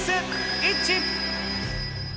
イッチ。